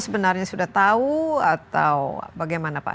sebenarnya sudah tahu atau bagaimana pak